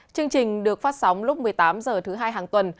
chương trình được phát sóng lúc một mươi tám h thứ hai hàng tuần